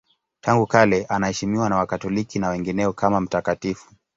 Tangu kale anaheshimiwa na Wakatoliki na wengineo kama mtakatifu.